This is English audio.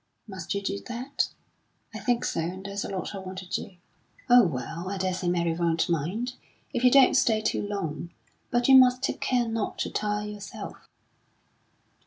"Must you do that?" "I think so. And there's a lot I want to do." "Oh, well, I daresay Mary won't mind, if you don't stay too long. But you must take care not to tire yourself."